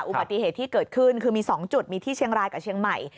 อุบัติเหตุที่เกิดขึ้นคือมี๒จุดมีที่เชียงรายกับเชียงใหม่